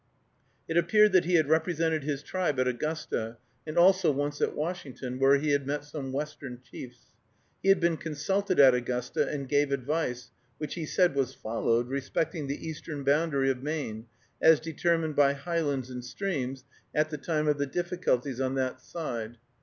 It appeared that he had represented his tribe at Augusta, and also once at Washington, where he had met some Western chiefs. He had been consulted at Augusta, and gave advice, which he said was followed, respecting the eastern boundary of Maine, as determined by highlands and streams, at the time of the difficulties on that side.